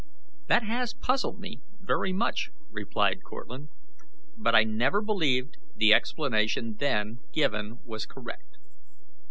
"That has puzzled me very much," replied Cortlandt, "but I never believed the explanation then given was correct.